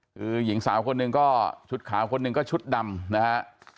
คือหญิงสาวคนหนึ่งก็ชุดขาวคนหนึ่งก็ชุดดำนะฮะ